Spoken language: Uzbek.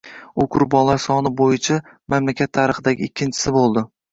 U qurbonlar soni bo‘yicha mamlakat tarixidagi ikkinchisi bo‘ldi